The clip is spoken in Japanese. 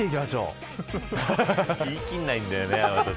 天達さん言い切らないんだよね。